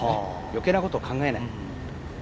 余計なことを考えない。